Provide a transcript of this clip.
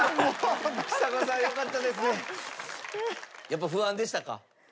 やっぱ不安でしたか？